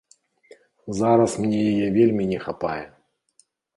Зараз мне яе вельмі не хапае.